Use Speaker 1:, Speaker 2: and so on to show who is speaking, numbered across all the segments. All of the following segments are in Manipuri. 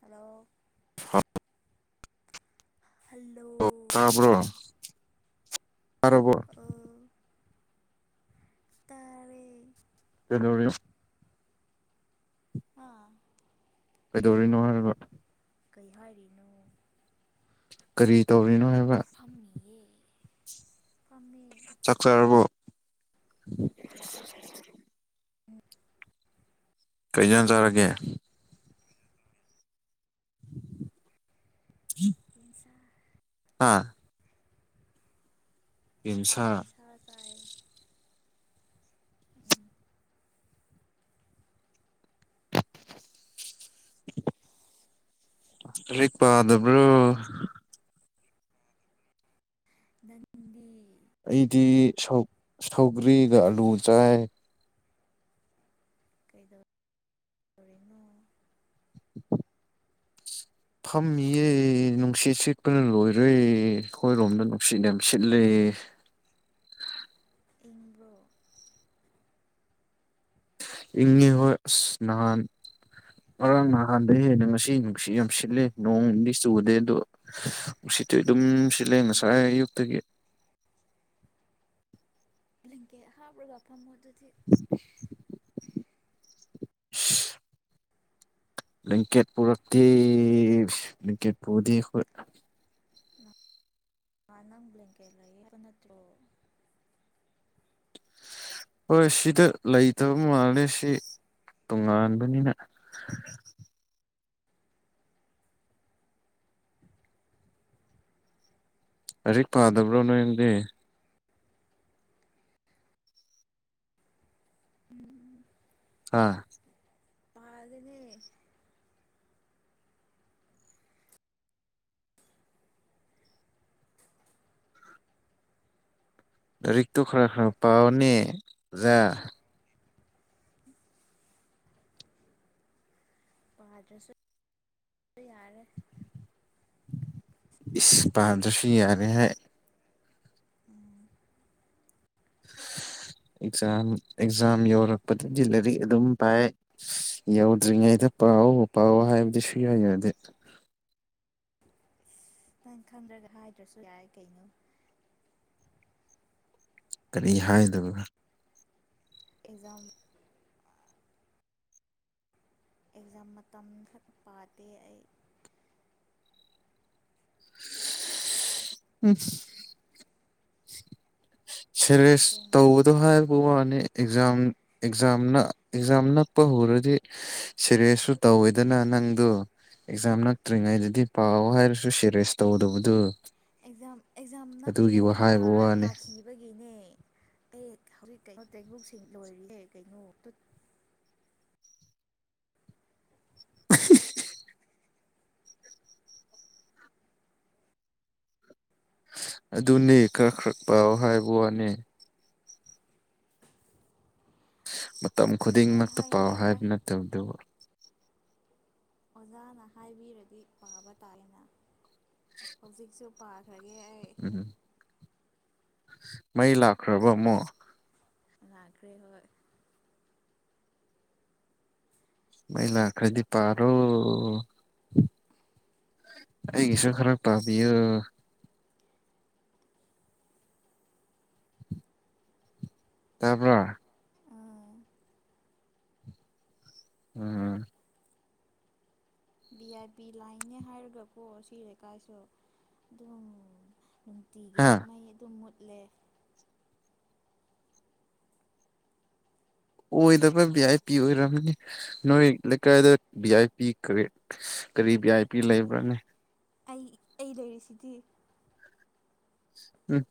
Speaker 1: ꯍꯂꯣ
Speaker 2: ꯑꯣ
Speaker 1: ꯍꯜꯂꯣ
Speaker 2: ꯇꯥꯔꯕ꯭ꯔꯣ ꯇꯔꯕ
Speaker 1: ꯑ ꯇꯥꯔꯦ
Speaker 2: ꯗ
Speaker 1: ꯑꯥ
Speaker 2: ꯀꯩꯗꯧꯔꯤꯅꯣ ꯍꯥꯏꯔꯕ
Speaker 1: ꯀꯩ ꯍꯥꯏꯔꯤꯅꯣ
Speaker 2: ꯀꯔꯤ ꯇꯧꯔꯤꯅꯣ ꯍꯥꯏ
Speaker 1: ꯐꯝꯃꯦ ꯐꯥꯝꯃꯦ
Speaker 2: ꯆꯥꯛꯆꯔꯕꯣ
Speaker 1: ꯎ
Speaker 2: ꯀꯩꯖꯥꯟ ꯆꯔꯒꯦ ꯎꯝ
Speaker 1: ꯌꯦꯟꯁꯥ
Speaker 2: ꯑꯥ
Speaker 1: ꯍꯟ
Speaker 2: ꯌꯦꯟꯁꯥ
Speaker 1: ꯁꯥ ꯇꯥꯏ
Speaker 2: ꯍꯧ ꯄ ꯑꯗꯨꯕ꯭ꯔꯣ
Speaker 1: ꯅꯟꯗꯤ
Speaker 2: ꯑꯩꯗꯤ ꯁꯧꯒ꯭ꯔꯤꯒ ꯑꯂꯨ ꯆꯥꯏ
Speaker 1: ꯀꯩꯗꯗꯣꯔꯤꯅꯣ
Speaker 2: ꯐꯝꯃꯤꯌꯦ ꯅꯨꯡꯁꯤꯠ ꯁꯤꯠꯄꯅ ꯂꯣꯏꯔꯦ ꯑꯩꯈꯣꯏꯔꯣꯝꯗ ꯅꯨꯡꯁꯤꯠ ꯌꯥꯝ ꯁꯤꯠꯂꯦ ꯀ
Speaker 1: ꯏꯟ꯭ꯔꯣ
Speaker 2: ꯏ ꯍꯣꯏ ꯁꯅꯍꯥꯟ ꯉꯔꯥꯡ ꯅꯍꯥꯟꯗꯒꯤ ꯍꯦꯟꯅ ꯉꯁꯤ ꯅꯨꯡꯁꯤꯠ ꯌꯥꯝ ꯁꯤꯠꯂꯦ ꯅꯣꯡꯗꯤ ꯆꯨꯗꯦ ꯑꯗꯣꯁꯤ ꯁꯤꯠꯇꯤ ꯑꯗꯨꯝ ꯁꯤꯠꯂꯦ ꯉꯁꯥꯏ
Speaker 1: ꯕ꯭ꯂꯦꯡꯀꯦꯠ
Speaker 2: ꯑꯌꯨꯛꯇꯒꯤ
Speaker 1: ꯂꯦꯡꯀꯦ ꯍꯥꯕ꯭ꯔꯒꯐꯝ ꯃꯣ ꯑꯗꯨꯗꯤ
Speaker 2: [unintelligible] ꯂꯤꯡꯀꯦꯠ ꯄꯨꯔꯛꯇꯗꯤ ꯂꯤꯡꯀꯦꯠ ꯄꯨꯗꯤ ꯑꯩꯈ
Speaker 1: ꯃꯥꯅ ꯭ꯂꯒꯦ ꯂꯌꯦꯄꯅ ꯊ꯭ꯔꯣ
Speaker 2: ꯍꯣꯏ ꯁꯤꯗ ꯂꯩꯇꯕ ꯃꯥꯜꯂꯦ ꯁꯤ ꯇꯣꯉꯥꯟꯕꯅꯤꯅ ꯑꯔꯤꯛ ꯄꯥꯗꯕ꯭ꯔꯣ ꯅꯌꯦꯡꯗꯤ
Speaker 1: ꯎꯝ ꯎ
Speaker 2: ꯑꯥ
Speaker 1: ꯄꯗꯅꯦ
Speaker 2: ꯔꯤꯛꯇ ꯈꯔ ꯈꯔ ꯄꯥꯎꯅꯦ ꯌꯥ
Speaker 1: ꯄꯥꯗ꯭ꯔꯁꯨ ꯌꯥꯔꯦ
Speaker 2: ꯏꯁ ꯄꯥꯗꯣꯁꯤ ꯌꯥꯔꯦ ꯍꯥꯏ
Speaker 1: ꯎꯝ
Speaker 2: [unintelligible] ꯑꯦꯛꯖꯝ ꯑꯦꯛꯖꯥꯝ ꯌꯧꯔꯛꯄꯗꯗꯤ ꯂꯥꯏꯔꯤꯛ ꯑꯗꯨꯝ ꯄꯥꯏ ꯌꯧꯗ꯭ꯔꯤꯉꯩꯗ ꯄꯥꯛꯑꯣ ꯄꯥꯛꯑꯣ ꯍꯥꯏꯕꯗꯤ ꯁꯨ ꯌꯥꯏꯗꯦ
Speaker 1: ꯅꯪ ꯈꯟꯗ꯭ꯔꯒ ꯍꯥꯏꯗ꯭ꯔꯁꯨ ꯌꯥꯏ ꯀꯩꯅꯣ
Speaker 2: ꯀꯔꯤ ꯍꯥꯏꯗꯕ
Speaker 1: ꯑꯦꯛꯖꯥꯝ ꯑꯦꯛꯖꯥꯝ ꯃꯇꯝ ꯈꯛ ꯄꯥꯗꯦ ꯑꯩ
Speaker 2: ꯎꯝ ꯁꯦꯔꯚꯦꯁ
Speaker 1: ꯑꯁꯦꯡꯕ
Speaker 2: ꯇꯧꯕꯗꯣ ꯍꯥꯏꯕ ꯋꯥꯅꯤ ꯑꯦꯛꯖꯥꯝ ꯑꯦꯛꯖꯥꯝ ꯑꯦꯛꯖꯥꯝ ꯅꯛꯄ ꯍꯧꯔꯗꯤ ꯁꯦꯔꯤꯌꯁꯁꯨ ꯇꯧꯋꯦꯗꯅ ꯅꯪꯗꯣ ꯑꯦꯛꯖꯥꯝ ꯅꯠꯇ꯭ꯔꯤꯉꯩꯗꯗꯤ ꯄꯥꯎ ꯍꯥꯏꯔꯁꯨ ꯁꯦꯔꯦꯁ ꯇꯧꯗꯕꯗꯨ
Speaker 1: ꯑꯦꯛꯖꯥꯝ ꯑꯦꯛꯖꯥꯝ
Speaker 2: ꯑꯗꯨꯒꯤ
Speaker 1: ꯅꯛꯔꯤꯉꯩꯗ
Speaker 2: ꯍꯥꯏꯕ ꯋꯥꯅꯤ
Speaker 1: ꯄꯥꯈꯤꯕꯒꯤꯅꯦ ꯑꯦ ꯍꯧꯖꯤꯛ ꯀꯩꯅꯣ ꯇꯦꯡꯛꯁꯤꯡ ꯂꯣꯏꯔꯤꯌꯦ ꯀꯩꯅꯣ
Speaker 2: [unintelligible] ꯑꯗꯨꯅꯤ ꯈꯔꯛ ꯈꯔꯛ ꯄ ꯍꯥꯏꯕ ꯋꯥꯅꯤ ꯃꯇꯝ
Speaker 1: ꯍꯥꯏ
Speaker 2: ꯈꯨꯗꯤꯡꯃꯛꯇ
Speaker 1: ꯍꯣꯏ
Speaker 2: ꯄꯥꯎ
Speaker 1: ꯍꯣꯏ ꯍꯣꯏ
Speaker 2: ꯍꯥꯏꯕ ꯅꯠꯇꯕ ꯑꯗꯨꯕꯨ
Speaker 1: ꯑꯣꯖꯥꯅ ꯍꯥꯏꯕꯤꯔꯗꯤ ꯄꯥꯕ ꯇꯥꯏꯅ ꯍꯧꯖꯤꯛꯁꯨ ꯄꯥꯔꯔꯒꯦ
Speaker 2: ꯎꯝ ꯃꯩ ꯂꯥꯛꯈ꯭ꯔꯕ ꯑꯃꯣ
Speaker 1: ꯂꯅꯥꯈꯔꯤ ꯍꯣꯏ
Speaker 2: ꯃꯥꯏ ꯂꯈꯔꯗꯤ ꯄꯥꯔꯣ ꯑꯩ ꯀꯁ ꯈꯔꯞ ꯄꯥꯝꯣ ꯇꯄ
Speaker 1: ꯎꯝ
Speaker 2: ꯎꯝ
Speaker 1: ꯚꯤ ꯑꯥꯏ ꯤ ꯂꯥꯏꯅꯦ ꯍꯥꯏꯔꯒꯀꯣ ꯁꯤ ꯂꯩꯀꯥꯏꯁꯨ ꯑꯗꯨꯝ
Speaker 2: ꯍꯥ
Speaker 1: ꯅꯨꯡꯇꯤꯒꯤꯗꯤ ꯃꯩ ꯑꯗꯨꯝ ꯃꯨꯠꯂꯦ
Speaker 2: ꯑꯣꯏꯗꯕ ꯚꯤ ꯑꯥꯏ ꯄꯤ ꯑꯣꯏꯔꯝꯃꯤ ꯅꯣꯏ ꯂꯩꯀꯥꯏꯗ ꯚꯤ ꯑꯥꯏ ꯄꯤ ꯀ ꯀꯔꯤ ꯕꯤꯤ ꯑꯥꯏ ꯄꯤ ꯂꯩꯕ꯭ꯔꯅꯤ
Speaker 1: ꯑꯩ ꯑꯩ ꯂꯩꯔꯤꯁꯤꯗꯤ
Speaker 2: ꯎꯝ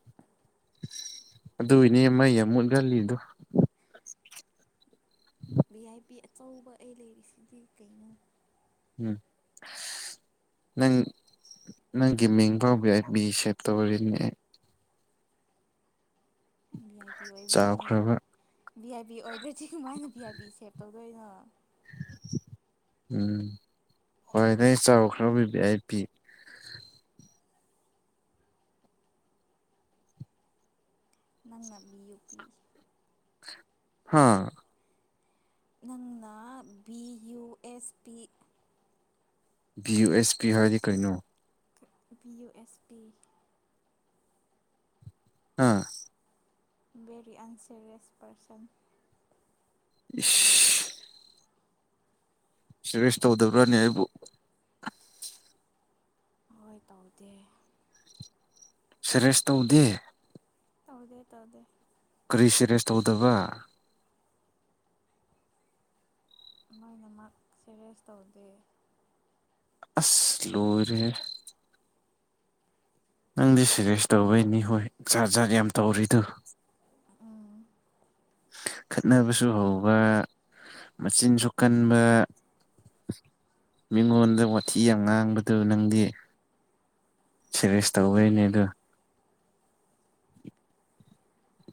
Speaker 2: ꯑꯗꯨꯏꯅꯦ ꯃꯩ ꯌꯥꯝ ꯃꯨꯠꯍꯜꯂꯤꯗꯣ
Speaker 1: ꯚꯤ ꯑꯥꯏ ꯄꯤ ꯑꯆꯧꯕ ꯑꯩ ꯂꯩꯔꯤꯁꯤꯗꯤ ꯀꯩꯅꯣ
Speaker 2: ꯎꯝ ꯅꯪ ꯅꯪꯒꯤ ꯃꯤꯡ ꯐꯥꯎꯕ ꯑꯩꯕꯤ ꯁꯦꯞꯇꯔꯤꯅꯦ
Speaker 1: ꯚꯤ ꯑꯥꯏ ꯄꯤ ꯑꯣꯏꯕꯒꯤꯅꯦ
Speaker 2: ꯆꯥꯎꯈ꯭ꯔꯕ
Speaker 1: ꯚꯤ ꯑꯥꯏ ꯄꯤ ꯑꯣꯏꯗ꯭ꯔꯣꯁꯤ ꯀꯃꯥꯏꯅ ꯚꯤ ꯑꯥꯏ ꯄꯤ ꯁꯦꯞ ꯇꯧꯗꯣꯏꯅꯣ
Speaker 2: ꯎꯝ ꯍꯣꯏ ꯅꯪ ꯆꯥꯎꯕ ꯈꯔ ꯄꯤꯕ ꯑꯩ ꯄꯤ
Speaker 1: ꯅꯪꯅꯕꯤ ꯌꯨ ꯄꯤ
Speaker 2: ꯍꯥꯥ
Speaker 1: ꯅꯪꯅ ꯚꯤ ꯌꯨ ꯑꯦꯁ ꯄꯤ
Speaker 2: ꯚ ꯌꯨ ꯑꯦꯁ ꯄꯤ ꯍꯥꯏꯗꯤ ꯀꯔꯤꯩꯅꯣ
Speaker 1: ꯄꯕꯤ ꯌꯨ ꯑꯦꯁ ꯄꯤ
Speaker 2: ꯑꯥ
Speaker 1: ꯦꯔꯤ ꯑꯟꯁꯦꯔꯤꯌꯥꯁ ꯄꯔꯁꯟ
Speaker 2: [unintelligible] ꯁꯤꯦꯁ ꯇꯧꯗꯕ꯭ꯔꯅꯤ ꯑꯩꯕꯨ
Speaker 1: ꯍꯣꯏ ꯇꯧꯗꯦ
Speaker 2: ꯁꯦꯔꯦꯁ ꯇꯧꯗꯦ
Speaker 1: ꯇꯗꯦ ꯇꯧꯗꯦ
Speaker 2: ꯀꯔꯤ ꯁꯦꯔꯦꯁ ꯇꯧꯗꯕ
Speaker 1: ꯂꯣꯏꯅꯃꯛ ꯁꯦꯔꯤꯁ ꯇꯧꯗꯦ
Speaker 2: ꯑꯁ ꯂꯨꯨꯔꯦ ꯅꯪꯗꯤ ꯁꯦꯔꯦꯁ ꯇꯧꯕꯩꯅꯤ ꯍꯣꯏꯖꯥꯔ ꯖꯥꯔ ꯌꯥꯝ ꯇꯧꯔꯤꯗꯨꯣ
Speaker 1: ꯎꯝ
Speaker 2: ꯈꯠꯅꯕꯁꯨ ꯍꯧꯕ ꯃꯆꯤꯟꯁꯨ ꯀꯟꯕ ꯃꯤꯉꯣꯟꯗ ꯋꯥꯊꯤ ꯌꯥꯝ ꯉꯥꯡꯕꯗꯨ ꯅꯪꯗꯤ ꯁꯦꯔꯤꯁ ꯇꯧꯕꯩꯅꯦ ꯑ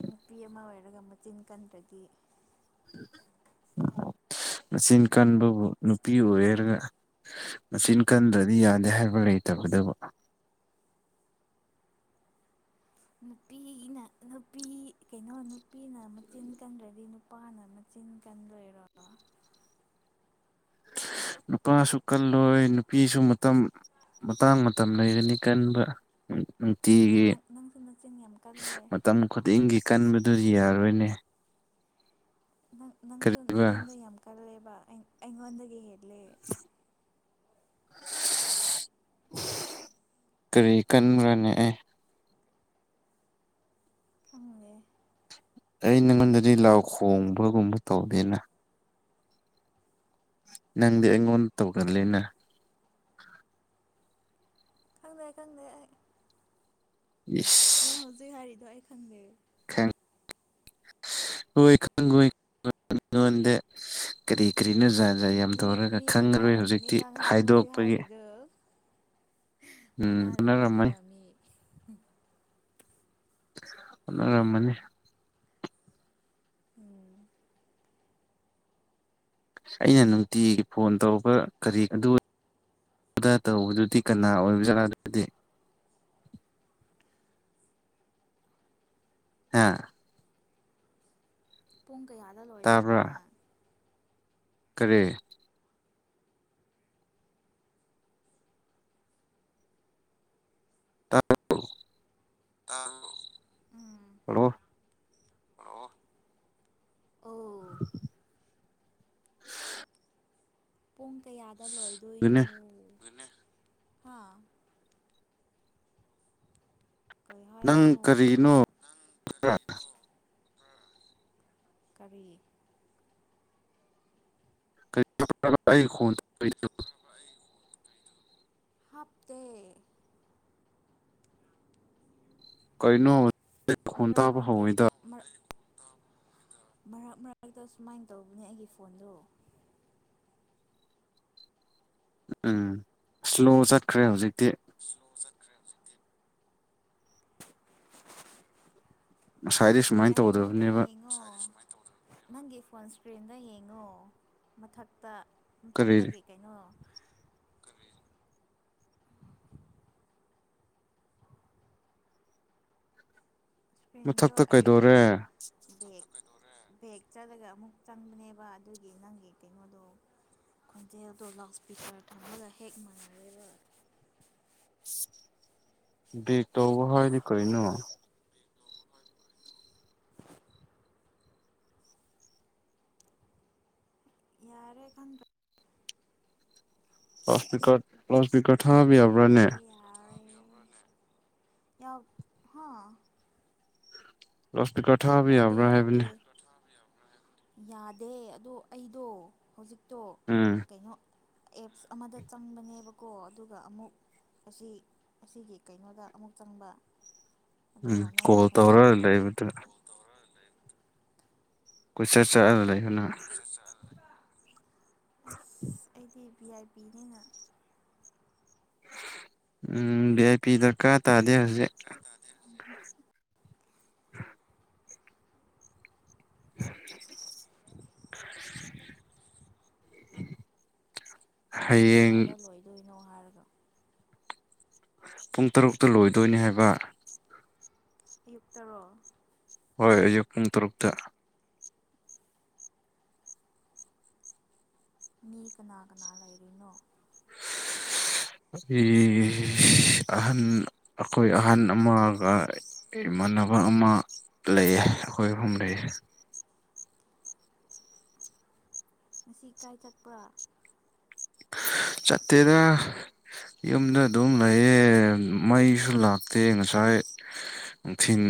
Speaker 1: ꯅꯨꯄꯤ ꯑꯃ ꯑꯣꯏꯔꯒ ꯃꯆꯤꯟ ꯀꯟꯗ꯭ꯔꯗꯤ
Speaker 2: ꯃꯆꯤꯟ ꯀꯟꯕꯕꯨ ꯅꯨꯄꯤ ꯑꯣꯏꯔꯒ ꯃꯆꯤꯟ ꯀꯟꯗ꯭ꯔꯗꯤ ꯌꯥꯗꯦ ꯍꯥꯏꯕ ꯂꯩꯇꯕꯗꯕꯨ
Speaker 1: ꯅꯨꯄꯤꯅ ꯅꯨꯄꯤ ꯀꯩꯅꯣ ꯅꯨꯄꯤꯅ ꯃꯆꯤꯟ ꯀꯟꯗ꯭ꯔꯗꯤ ꯅꯨꯄꯥꯅ ꯃꯆꯤꯟ ꯇꯤꯟ ꯀꯥꯟꯗꯔꯣ
Speaker 2: [unintelligible] ꯅꯨꯄꯥꯁꯨ ꯀꯜꯂꯣꯏ ꯅꯨꯄꯤꯁꯨ ꯃꯇꯝ ꯃꯇꯥꯡ ꯃꯇꯝ ꯂꯩꯒꯅꯤ ꯀꯟꯕ ꯅꯨꯡꯇꯤꯒꯤ
Speaker 1: ꯅꯪ ꯅꯪꯁꯨ ꯃꯆꯤꯟ ꯌꯥꯝ ꯀꯜꯂꯦ
Speaker 2: ꯃꯇꯝ ꯈꯨꯗꯤꯡꯒꯤ ꯀꯟꯕ ꯑꯗꯨꯗꯤ ꯌꯥꯔꯣꯏꯅꯦ
Speaker 1: ꯅꯪ ꯅꯪꯁꯨ
Speaker 2: ꯀꯔꯤꯕ
Speaker 1: ꯆꯤꯟꯗꯣ ꯌꯥꯝ ꯀꯜꯂꯦꯕ ꯑꯩꯉꯣꯟꯗꯗꯒꯤ ꯍꯦꯂꯦ
Speaker 2: [unintelligible] ꯀꯔꯤ ꯀꯟꯈ꯭ꯔꯅꯦ ꯑꯦ
Speaker 1: ꯀꯪꯦ
Speaker 2: ꯑꯩ ꯅꯪꯉꯣꯟꯗꯗꯤ ꯂꯥꯎ ꯈꯣꯡꯕꯒꯨꯝꯕ ꯇꯧꯗꯦꯅ ꯅꯪꯗꯤ ꯑꯩꯉꯣꯟꯗ ꯇꯧꯒꯜꯂꯤꯅ
Speaker 1: ꯈꯪꯗ ꯈꯪꯗ
Speaker 2: ꯌꯦ
Speaker 1: ꯅ ꯍꯧꯖꯤꯛ ꯍꯥꯏꯔꯤꯗꯋꯥꯏ ꯈꯪꯗꯦ
Speaker 2: ꯈ ꯍꯣꯏ ꯈꯪ ꯍ ꯀꯔꯤ ꯀ꯭ꯔꯤꯅ ꯆꯥꯔꯖꯔ ꯌꯥꯝ
Speaker 1: ꯃꯤ
Speaker 2: ꯇꯧꯔꯒ
Speaker 1: ꯃꯤ
Speaker 2: ꯈꯪꯈꯔꯣꯏ
Speaker 1: ꯑꯣꯟꯅꯔꯝꯒꯅꯤ
Speaker 2: ꯍꯧꯖꯤꯛꯇꯤ
Speaker 1: ꯅꯪ ꯍꯧꯖꯤꯛ
Speaker 2: ꯍꯥꯏꯗꯣꯛꯄꯒꯤ
Speaker 1: ꯍꯥꯏꯔꯤꯗꯣ
Speaker 2: ꯎꯝ ꯍꯣꯠꯅꯔꯝꯃꯅꯤ
Speaker 1: ꯑꯣꯟꯅꯔꯝꯒꯅꯦꯕ ꯃꯤ
Speaker 2: ꯔꯅꯤ
Speaker 1: ꯎꯝ
Speaker 2: ꯑꯩꯅ ꯅꯨꯡꯇꯤꯒꯤ ꯐꯣꯟ ꯇꯧꯕ ꯀꯔꯤ ꯑꯗꯨ ꯑꯣꯗ ꯇꯧꯕꯗꯨꯗꯤ ꯀꯅꯥ ꯑꯣꯏꯕꯖꯗꯤ ꯍꯥ
Speaker 1: ꯄꯨꯡ ꯀꯌꯥꯗ ꯂꯣꯏꯗꯣꯏꯅꯣꯅꯦ
Speaker 2: ꯀꯔꯦ ꯑꯣ
Speaker 1: ꯑ
Speaker 2: ꯍꯜꯂꯣ
Speaker 1: ꯑꯣ
Speaker 2: [unintelligible]
Speaker 1: ꯄꯨꯡ ꯀꯌꯥꯗ ꯂꯣꯏꯗꯣꯏꯅꯣ
Speaker 2: ꯑꯗꯨꯅꯦ
Speaker 1: ꯍꯥ
Speaker 2: ꯅꯪ
Speaker 1: ꯍꯥꯏꯕꯅꯣ
Speaker 2: ꯀꯔꯤꯅꯣ
Speaker 1: ꯀꯕꯤ
Speaker 2: ꯑꯩꯣꯟ
Speaker 1: ꯍꯥꯞꯇ
Speaker 2: ꯀꯩꯅꯅ
Speaker 1: ꯃꯔꯛ ꯃꯔꯛꯗ ꯃꯔꯛ ꯃꯔꯛ ꯃꯔꯛꯇ ꯁꯨꯃꯥꯏꯅ ꯇꯧꯕꯅꯦ ꯑꯩꯒꯤ ꯐꯣꯟꯗꯣ
Speaker 2: ꯎꯝ ꯏꯁꯂꯣ ꯆꯠꯈ꯭ꯔꯦ ꯍꯧꯖꯤꯛꯇꯤ
Speaker 1: ꯁꯂꯣ ꯆꯠꯈ꯭ꯔꯦ ꯍꯧꯖꯤꯛꯇꯤ
Speaker 2: ꯉꯁꯥꯏꯗꯤ ꯁꯨꯃꯥꯏꯅ
Speaker 1: ꯀꯩꯉꯣꯗꯣ
Speaker 2: ꯇꯧꯗꯕꯅꯦꯕ
Speaker 1: ꯌꯦꯉꯣ ꯅꯪꯒꯤ ꯀꯣꯟ ꯏꯁꯀ꯭ꯔꯤꯟꯗ ꯌꯦꯡꯉꯣ ꯃꯊꯛꯇ
Speaker 2: ꯀꯔꯤ
Speaker 1: ꯃꯊꯛꯇꯒꯤ ꯀꯩꯅꯣ ꯏꯁꯄ꯭ꯔꯤꯟꯗꯣ
Speaker 2: ꯃꯊꯛꯇ
Speaker 1: ꯑꯩꯗꯣ
Speaker 2: ꯀꯩꯗꯧꯔꯦ
Speaker 1: ꯕꯦꯛ ꯕꯦꯦꯛ ꯆꯠꯂꯒ ꯑꯃꯨꯛ ꯆꯪꯕꯅꯦꯕ ꯑꯗꯨꯒꯤ ꯅꯪꯒꯤ ꯀꯩꯅꯣꯗꯣ ꯈꯣꯟꯖꯦꯜꯗꯣ ꯂꯥꯎꯠ ꯏꯁꯄꯤꯀꯔ ꯊꯝꯃꯒ ꯍꯦꯛ ꯃꯥꯟꯅꯔꯦꯕ
Speaker 2: [unintelligible] ꯇꯧꯕ ꯍꯗꯤ ꯀꯅꯣ
Speaker 1: ꯌꯥꯔꯦ ꯈꯪꯗ꯭ꯔꯥ
Speaker 2: ꯀꯥꯁꯄꯤꯀꯔ ꯊꯥꯕ ꯌꯥꯕ꯭ꯔꯥꯅꯦ
Speaker 1: ꯌꯥꯔꯦ ꯌꯥꯔꯦ ꯌꯥꯎ ꯍ
Speaker 2: ꯔꯁꯇ ꯀꯊꯕꯤ ꯌꯥꯕ ꯔꯦꯅꯤ
Speaker 1: ꯌꯥꯎꯗꯦ ꯌꯥꯗꯦ ꯑꯗꯣ ꯑꯩꯗꯣ ꯍꯧꯖꯤꯛꯇꯣ
Speaker 2: ꯎꯝ
Speaker 1: ꯀꯩꯅꯣ ꯑꯦꯞꯁ ꯑꯃꯗ ꯆꯪꯕꯅꯦꯕꯀꯣ ꯑꯗꯨꯒ ꯑꯃꯨꯛ ꯑꯁꯤ ꯑꯁꯤꯒꯤ ꯀꯩꯅꯣꯗ ꯑꯃꯨꯛ ꯆꯪꯕ
Speaker 2: ꯎꯝ
Speaker 1: ꯑꯗꯨꯒ ꯅꯪꯒꯤ
Speaker 2: ꯀꯣꯜ ꯇꯧꯔꯒ
Speaker 1: ꯈꯣꯟꯖꯦꯜꯗꯨ
Speaker 2: ꯂꯩꯕꯗꯨ ꯀ ꯆꯔ ꯆ ꯂꯩ
Speaker 1: ꯑꯩꯗꯤ ꯄꯤ ꯑꯥꯏ ꯄꯕꯤꯅꯤꯅ
Speaker 2: ꯎ ꯚꯤ ꯑꯥꯏ ꯄꯤ ꯗꯔꯀꯥꯔ ꯇꯥꯗꯦ ꯍꯧꯖꯤꯛ
Speaker 1: ꯎ
Speaker 2: [unintelligible] ꯎꯝ [unintelligible]
Speaker 1: ꯄꯨꯡ ꯀꯌꯥꯗ ꯂꯣꯏꯗꯣꯏꯅꯣ ꯍꯥꯏꯔꯒ
Speaker 2: ꯄꯨꯡ ꯇꯔꯨꯛꯇ ꯂꯣꯏꯗꯣꯏꯅꯤ ꯍꯥꯏꯕ
Speaker 1: ꯑꯌꯨꯛ ꯇꯔꯣ
Speaker 2: ꯍꯣꯏ ꯑꯌꯨꯛ ꯄꯨꯡ ꯇꯔꯨꯛꯗ
Speaker 1: ꯃꯤ ꯀꯅꯥ ꯀꯅꯥ ꯂꯩꯔꯤꯅꯣ
Speaker 2: ꯍ ꯑꯩ ꯑꯍꯟ ꯑꯩꯈꯣꯏ ꯑꯍꯟ ꯑꯃꯒꯃ ꯅꯕ ꯑꯃ ꯂꯩꯌꯦ ꯑꯩꯈꯣꯏ ꯑꯐꯝ ꯂꯩꯦ
Speaker 1: ꯉꯁꯤ ꯏꯀꯥꯏ ꯆꯠꯄ꯭ꯔꯥ
Speaker 2: ꯆꯠꯠꯇꯦꯗ ꯌꯨꯝꯗ ꯑꯗꯨꯝ ꯂꯩꯌꯦ ꯃꯩꯁꯨ ꯂꯥꯛꯇꯦ ꯉꯁꯥꯏ ꯅꯨꯡꯊꯤꯜ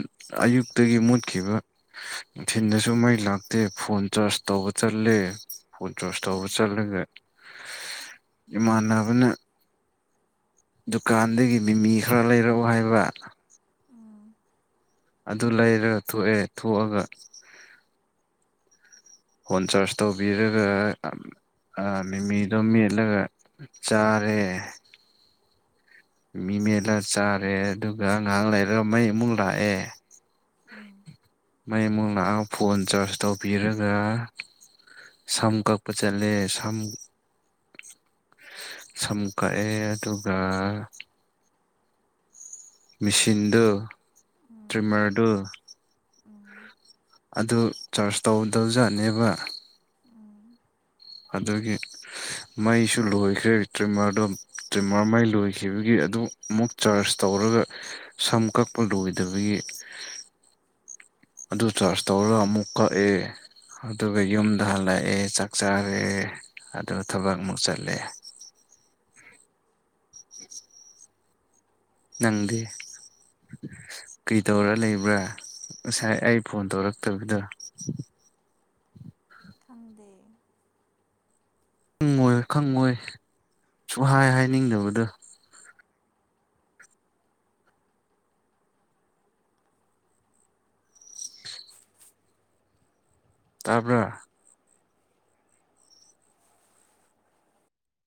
Speaker 2: ꯑꯌꯨꯛꯇꯒꯤ ꯃꯨꯠꯈꯤꯕ ꯅꯨꯡꯊꯤꯟꯗꯁꯨ ꯃꯩ ꯂꯥꯛꯇꯦ ꯐꯣꯟ ꯆꯥꯔꯖ ꯇꯧꯕ ꯆꯠꯂꯦ ꯐꯣꯟ ꯆ꯭ꯔꯁ
Speaker 1: ꯎꯝ
Speaker 2: ꯇꯧꯕ ꯆꯠꯂꯒ ꯏꯃꯥꯟꯅꯕꯅ ꯗꯨꯀꯥꯟꯗꯒꯤ ꯃꯤꯃꯤ ꯈꯔ ꯂꯩꯔꯛꯎ ꯍꯥꯏꯕ
Speaker 1: ꯎꯝ
Speaker 2: ꯑꯗꯨ ꯂꯩꯔꯒ ꯊꯣꯛꯑꯦ ꯊꯣꯛꯑꯒ ꯐꯣꯟ ꯆꯥꯔꯖ ꯇꯧꯕꯤꯔꯒ ꯃꯤꯃꯤꯗꯣ ꯃꯦꯠꯂꯒ ꯆꯥꯔꯦ ꯃꯤ ꯃꯦꯠꯂꯒ ꯆꯥꯔꯦ ꯑꯗꯨꯒ ꯉꯛ ꯂꯩꯔꯒ ꯃꯩ ꯑꯃꯨꯛ ꯂꯥꯛꯑꯦ
Speaker 1: ꯎꯝ
Speaker 2: ꯃꯩ ꯃꯨꯛ ꯂꯥꯛꯑꯒ ꯐꯣꯟ ꯆꯥꯔꯖ ꯇꯧꯕꯤꯔꯒ ꯁꯝ ꯀꯛꯄ ꯆꯠꯂꯦ ꯁꯝ ꯁꯝ ꯀꯛꯑꯦ ꯑꯗꯨꯒ ꯃꯦꯁꯤꯟꯗꯨ
Speaker 1: ꯎꯝ
Speaker 2: ꯇ꯭ꯔꯤꯝꯃꯔꯗꯨ
Speaker 1: ꯎꯝ
Speaker 2: ꯑꯗꯨ ꯆꯥꯔꯖ ꯇꯧꯗꯧꯖꯥꯠꯅꯦꯕ
Speaker 1: ꯎꯝ
Speaker 2: ꯑꯗꯨꯒꯤ ꯃꯩꯁꯨ ꯂꯣꯏꯈ꯭ꯔꯦ ꯇ꯭ꯔꯤꯝꯃꯔꯗꯣ ꯇ꯭ꯔꯤꯝꯃꯔ ꯃꯩ ꯂꯣꯏꯈꯤꯕꯒꯤ ꯑꯗꯨ ꯑꯃꯨꯛ ꯆꯥꯔꯖ ꯇꯧꯔꯒ ꯁꯝ ꯀꯛꯄ ꯂꯣꯏꯗꯕꯒꯤ ꯑꯗꯨ ꯆꯥꯔꯖ ꯇꯧꯔꯒ ꯑꯃꯨꯛ ꯀꯛꯑꯦ ꯑꯗꯨꯒ ꯌꯨꯝꯗ ꯍꯜꯂꯛꯑꯦ ꯆꯥꯛ ꯆꯥꯔꯦ ꯑꯗꯨ ꯊꯕꯛꯃꯨꯛ ꯆꯠꯂꯦ [inaudible] [inaudible] ꯅꯪꯗꯤ ꯀꯩ ꯇꯧꯔ ꯂꯩꯕ꯭ꯔꯥ ꯉꯁꯥꯏ ꯑꯩ ꯐꯣꯟ ꯇꯧꯔꯛꯇꯕꯤꯗꯣ [inaudible]
Speaker 1: ꯈꯪꯗꯦ
Speaker 2: ꯈꯪꯉꯣꯏ ꯈꯪꯉꯣꯏ ꯁꯨꯍꯥꯢ ꯍꯥꯏꯅꯤꯡꯗꯕꯗꯣ ꯇ꯭ꯕꯔꯥ